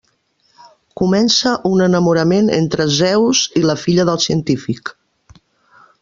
Comença un enamorament entre Zeus i la filla del científic.